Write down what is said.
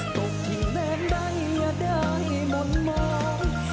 ตกทิ้งแดงใดอย่าได้หมดมอง